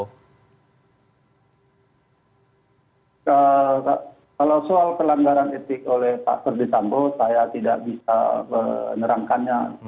kalau soal pelanggaran etik oleh pak ferdisambo saya tidak bisa menerangkannya